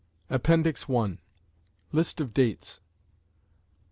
APPENDIX I. LIST OF DATES.